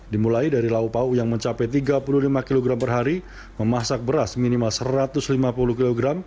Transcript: dimulai dari lauk pau yang mencapai tiga puluh lima kg per hari memasak beras minimal satu ratus lima puluh kg